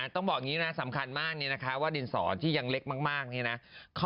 ต้องบอกงี้นะสำคัญมากว่าดินสอที่ยังเล็กมาก